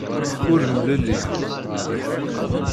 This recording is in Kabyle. Ur mlellin.